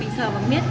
mình sờ vào miết